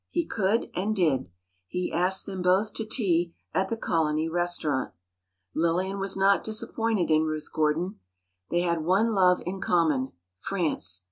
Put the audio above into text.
He could, and did. He asked them both to tea, at the Colony Restaurant. Lillian was not disappointed in Ruth Gordon. They had one love in common: France.